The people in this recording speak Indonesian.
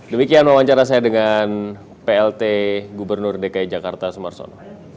demikian wawancara saya dengan plt gubernur dki jakarta sumarsono